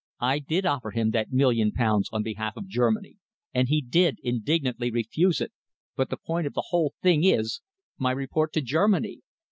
I did offer him that million pounds on behalf of Germany, and he did indignantly refuse it, but the point of the whole thing is my report to Germany."